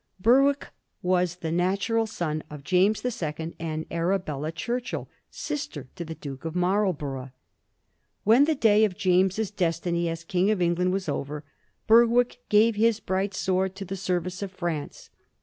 Berwick was the natural son of James the Second and Arabella Churchill, sister to the Duke of Marlborough. When the day of James's destiny as King of England was over, Berwick gave his bright sword to the service of France.